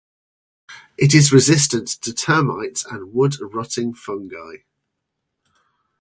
It is resistant to termites and wood-rotting fungi.